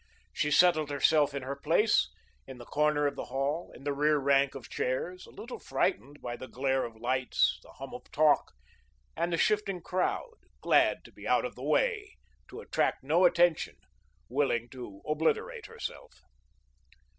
She settled herself in her place, in the corner of the hall, in the rear rank of chairs, a little frightened by the glare of lights, the hum of talk and the shifting crowd, glad to be out of the way, to attract no attention, willing to obliterate herself.